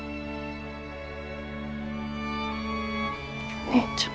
お姉ちゃん。